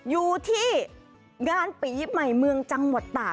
อยู่ที่งานปีใหม่เมืองจังหวัดตาก